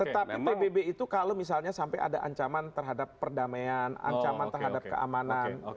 tetapi pbb itu kalau misalnya sampai ada ancaman terhadap perdamaian ancaman terhadap keamanan